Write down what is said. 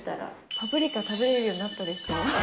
パプリカ食べれるようになったで賞。